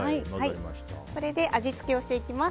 これで味付けをしていきます。